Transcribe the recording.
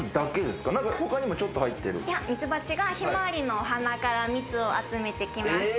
ミツバチがひまわりの花から蜜を集めてきまして。